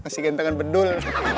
masih ganteng kan bedul